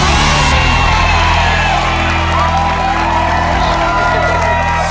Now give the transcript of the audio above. โฆษ์โฆษ์โฆษ์โฆษ์โฆษ์